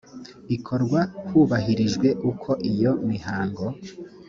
ikorwa hubahirijwe uko iyo mihango